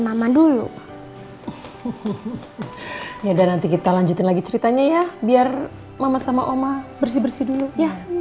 nama dulu ya dan nanti kita lanjutin lagi ceritanya ya biar mama sama oma bersih bersih dulu ya